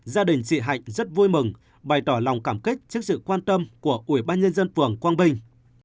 gia đình chị hạnh rất vui mừng bày tỏ lòng cảm kích trước sự quan tâm của ủy ban nhân dân phường quang bình